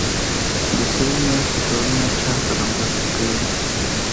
د سرې میاشتې ټولنه چا سره مرسته کوي؟